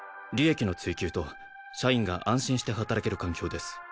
利益の追求と社員が安心して働ける環境です。